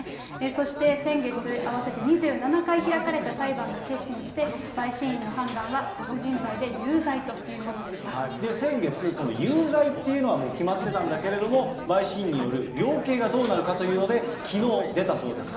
そして先月、合わせて２７回開かれた裁判が結審して、陪審員の判断は、殺人罪で有罪というもので先月、この有罪というのはもう決まってたんだけれども、陪審員による量刑がどうなるかというので、きのう出たそうです。